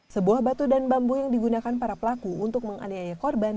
sebuah batu dan bambu yang digunakan para pelaku untuk menganiaya korban